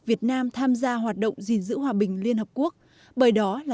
vì vậy kế hoạch đó là một kế hoạch mới cho chúng ta